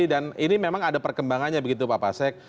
dan ini memang ada perkembangannya begitu pak pasek